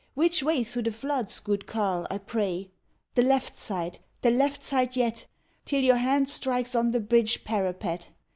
Which way through the floods, good carle, I pray The left side yet! the left side yet! Till your hand strikes on the bridge parapet.